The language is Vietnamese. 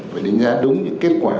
phải đánh giá đúng những kết quả